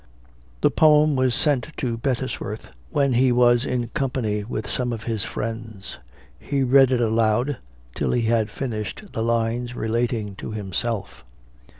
The poem was sent to Bettesworth, when he was in company with some of his friends. He read it aloud, till he had finished the lines relating to himself.